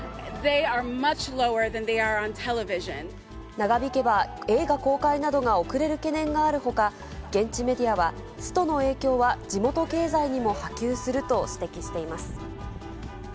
長引けば、映画公開などが遅れる懸念があるほか、現地メディアは、ストの影響は地元経済にも波及すると指摘しています。